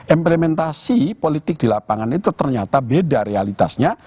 implementasi politik di lapangan itu ternyata beda realitasnya